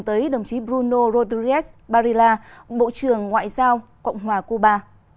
tới đồng chí bruno rodríguez barilla bộ trưởng ngoại giao cộng hòa cuba